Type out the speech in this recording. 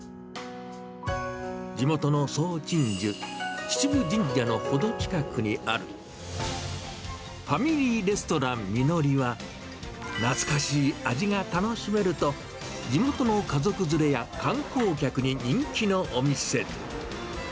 地元の総鎮守、秩父神社の程近くにある、ファミリーレストランみのりは、懐かしい味が楽しめると、地元の家族連れや観光客に人気のお店。